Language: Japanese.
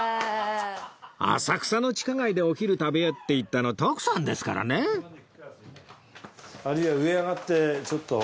浅草の地下街でお昼食べようって言ったの徳さんですからね！あるいは上へ上がってちょっと。